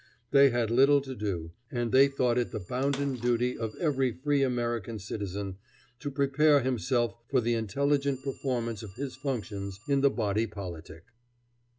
They had little to do, and they thought it the bounden duty of every free American citizen to prepare himself for the intelligent performance of his functions in the body politic.